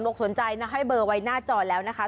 อกสนใจนะให้เบอร์ไว้หน้าจอแล้วนะคะ